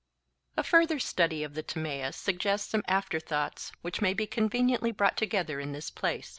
A further study of the Timaeus suggests some after thoughts which may be conveniently brought together in this place.